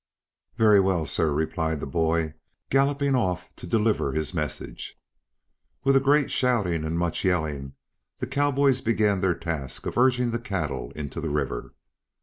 "Very well, sir," replied the boy, galloping off to deliver his message. With a great shouting and much yelling the cowboys began their task of urging the cattle into the river.